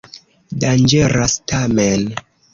Danĝeras tamen.